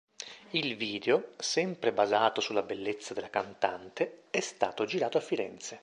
Il video, sempre basato sulla bellezza della cantante, è stato girato a Firenze.